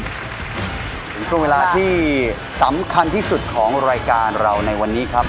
ถึงช่วงเวลาที่สำคัญที่สุดของรายการเราในวันนี้ครับ